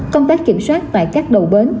công tác kiểm soát tại các đầu bến